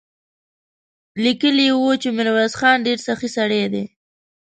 ليکلي يې و چې ميرويس خان ډېر سخي سړی دی.